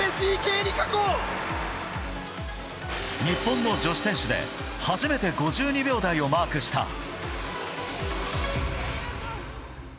日本の女子選手で初めて５２秒台をマークした。